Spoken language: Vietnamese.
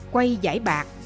quay giải bạc